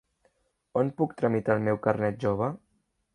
On puc tramitar el meu carnet jove?